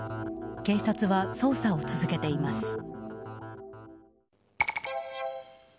警察は捜査を続けています。